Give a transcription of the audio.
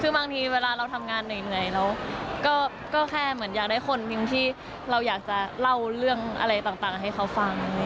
คือบางทีเวลาเราทำงานเหนื่อยเราก็แค่เหมือนอยากได้คนหนึ่งที่เราอยากจะเล่าเรื่องอะไรต่างให้เขาฟัง